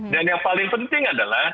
dan yang paling penting adalah